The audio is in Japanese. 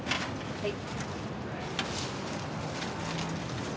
はい。